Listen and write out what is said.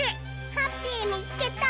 ハッピーみつけた！